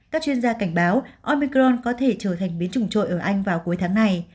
các chuyên gia cảnh báo omicron có thể trở thành biến chủng trội ở anh vào cuối tháng này